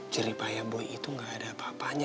ceripaya boy itu gak ada apa apanya